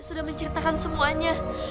sudah menceritakan semuanya